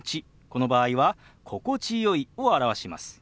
この場合は「心地よい」を表します。